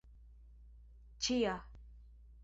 ĉia